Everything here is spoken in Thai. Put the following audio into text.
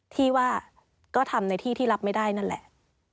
ที่ว่าก็ทำในที่ที่รับไม่ได้นั่นแหละ